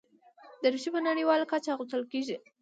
دریشي په نړیواله کچه اغوستل کېږي.